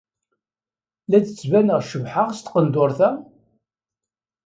La d-ttbaneɣ cebḥeɣ s tqendurt-a?